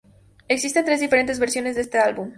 Existen tres diferentes versiones de este álbum.